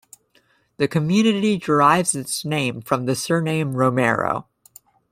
The community derives its name from the surname Romero.